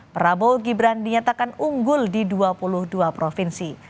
prabowo gibran dinyatakan unggul di dua puluh dua provinsi